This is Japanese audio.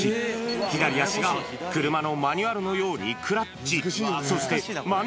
左足が車のマニュアルのようにクラッチ。